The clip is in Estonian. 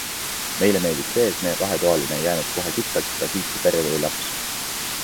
Meile meeldis see, et meie kahetoaline ei jäänud kohe kitsaks, ka siis kui perre tuli laps.